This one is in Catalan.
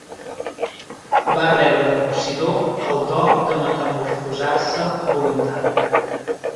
Va rebre de Posidó el do de metamorfosar-se a voluntat.